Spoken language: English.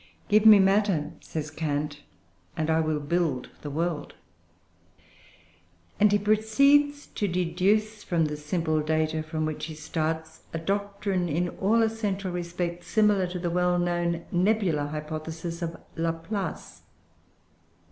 ] "Give me matter," says Kant, "and I will build the world;" and he proceeds to deduce from the simple data from which he starts, a doctrine in all essential respects similar to the well known "Nebular Hypothesis" of Laplace.